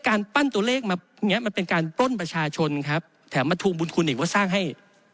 การปั้นตัวเลขมันเป็นการปล้นประชาชนแถมมาทูมบุญคุณอีกว่าสร้างให้